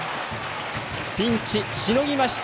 ピンチ、しのぎました。